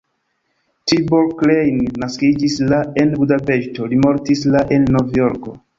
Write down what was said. Tibor Klein naskiĝis la en Budapeŝto, li mortis la en Novjorko.